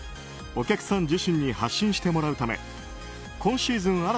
お客さん自身に発信してもらうため今シーズン